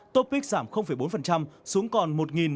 topic giảm bốn xuống còn một năm trăm chín mươi bốn mươi một